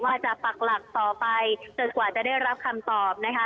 จะปักหลักต่อไปจนกว่าจะได้รับคำตอบนะคะ